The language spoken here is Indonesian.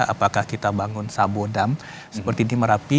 apakah kita bangun sabodam seperti di merapi